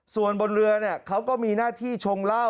ส่วนบนเรือเขาก็มีหน้าที่ชงเหล้า